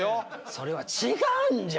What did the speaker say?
それは違うんじゃ。